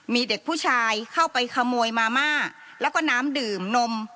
มีเด็กผู้ชายเข้าไปขโมยมาม่าแล้วก็น้ำดื่มนม